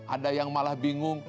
ada yang malah bingung